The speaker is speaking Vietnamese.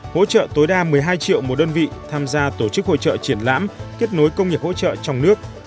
hỗ trợ tối đa một mươi hai triệu một đơn vị tham gia tổ chức hội trợ triển lãm kết nối công nghiệp hỗ trợ trong nước